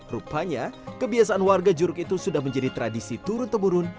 rupanya kebiasaan warga juruk itu sudah menjadi tradisi turun temurun